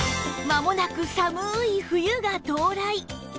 まもなく寒い冬が到来